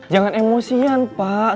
jangan emosian pak